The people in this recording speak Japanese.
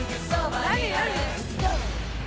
何？